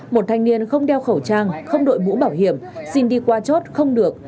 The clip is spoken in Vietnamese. một thanh niên không đeo khẩu trang không đội mũ bảo hiểm xin đi qua chốt không được